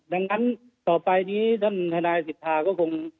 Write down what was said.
ดังนั้นต่อไปนี้ท่านทนายสิทธาก็คง